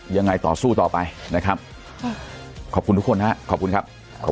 ยังไงต่อสู้ต่อไปนะครับขอบคุณทุกคนฮะขอบคุณครับ